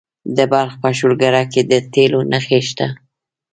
د بلخ په شولګره کې د تیلو نښې شته.